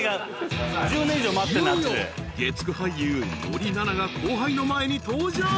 ［いよいよ月９俳優森七菜が後輩の前に登場］